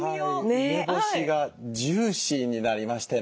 梅干しがジューシーになりましてね